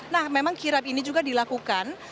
nah memang kirap ini juga dilakukan